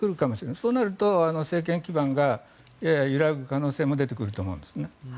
そうなると政権基盤がやや揺らぐ可能性も出てくると思うんですね。